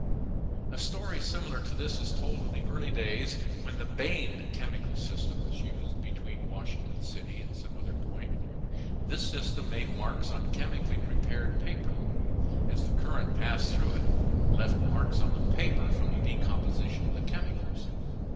A story similar to this is told of the early days when the Bain chemical system was used between Washington City and some other point. This system made marks on chemically prepared paper; as the current passed through it left marks on the paper from the decomposition of the chemicals.